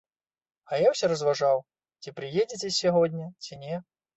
А я ўсё разважаў, ці прыедзеце сягоння, ці не.